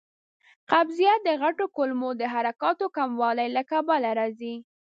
قبضیت د غټو کولمو د حرکاتو کموالي له کبله راځي.